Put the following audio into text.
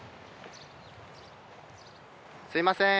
すみません。